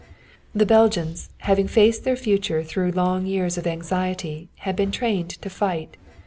The Belgians, having faced their future through long years of anxiety, had been trained to fight.